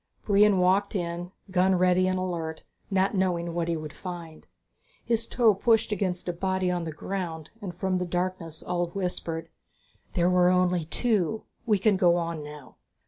Brion walked in, gun ready and alert, not knowing what he would find. His toe pushed against a body on the ground and from the darkness Ulv whispered, "There were only two. We can go on now."